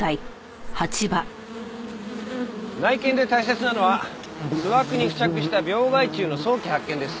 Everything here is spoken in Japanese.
内検で大切なのは巣枠に付着した病害虫の早期発見です。